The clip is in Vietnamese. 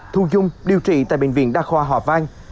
thu dung điều trị tại bệnh viện đa khoa hòa vang